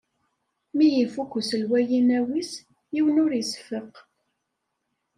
Mi ifukk uselway inaw-is, yiwen ur iseffeq.